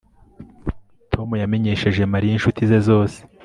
Tom yamenyesheje Mariya inshuti ze zose